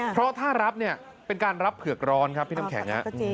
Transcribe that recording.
เพราะถ้ารับเป็นการรับเผือกร้อน